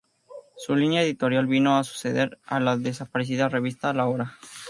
Su línea editorial vino a suceder a la desaparecida revista "La Hora".